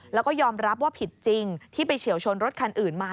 แล้วก็ยอมรับว่าผิดจริงที่ไปเฉียวชนรถคันอื่นมา